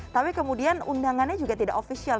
tapi kemudian undangannya juga tidak official